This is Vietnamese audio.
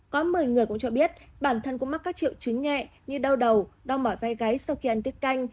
có một mươi người cũng cho biết bản thân cũng mắc các triệu chứng nhẹ như đau đầu đau mỏi vai sau khi ăn tiết canh